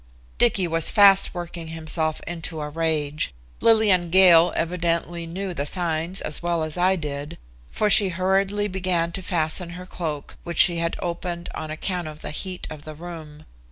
Dicky was fast working himself into a rage. Lillian Gale evidently knew the signs as well as I did, for she hurriedly began to fasten her cloak, which she had opened on account of the heat of the room.